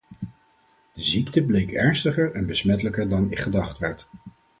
De ziekte bleek ernstiger en besmettelijker dan gedacht werd.